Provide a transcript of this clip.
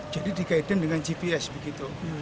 jadi di gaiden dengan gps begitu